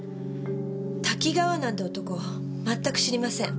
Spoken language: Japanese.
多岐川なんて男まったく知りません。